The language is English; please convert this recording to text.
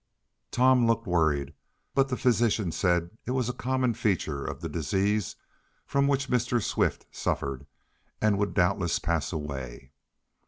Tom looked worried, but the physician said it was a common feature of the disease from which Mr. Swift suffered, and would doubtless pass away.